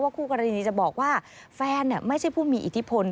คู่กรณีจะบอกว่าแฟนไม่ใช่ผู้มีอิทธิพล